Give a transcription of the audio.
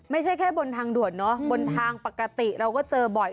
ไม่ใช่แค่บนทางด่วนเนอะบนทางปกติเราก็เจอบ่อย